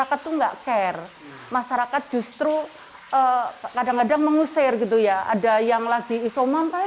kalau tetangga dekatnya tidak peduli